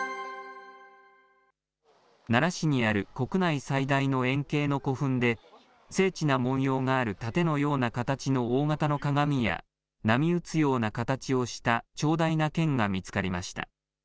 奈良市にある国内最大の円形の古墳で、精緻な文様がある盾のような形の大型の鏡や、波打つような形をした長大な剣が見つかりました。